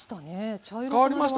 茶色くなりました。